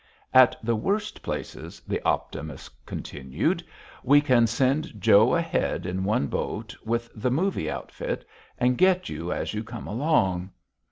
"At the worst places," the Optimist continued, "we can send Joe ahead in one boat with the 'movie' outfit, and get you as you come along."